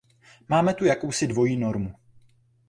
Máme tu jakousi dvojí normu.